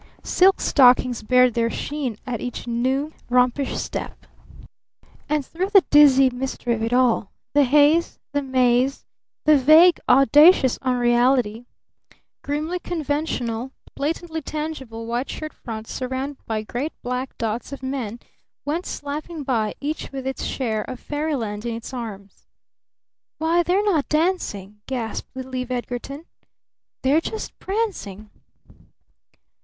Silk stockings bared their sheen at each new rompish step! And through the dizzy mystery of it all the haze, the maze, the vague, audacious unreality, grimly conventional, blatantly tangible white shirt fronts surrounded by great black blots of men went slapping by each with its share of fairyland in its arms! "Why! They're not dancing!" gasped little Eve Edgarton. "They're just prancing!"